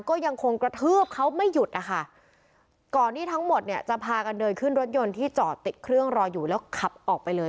ก็ยังคงกระทืบเขาไม่หยุดนะคะก่อนที่ทั้งหมดเนี่ยจะพากันเดินขึ้นรถยนต์ที่จอดติดเครื่องรออยู่แล้วขับออกไปเลย